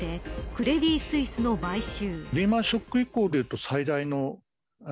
クレディ・スイスの買収。